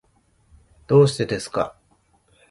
どうしてですか。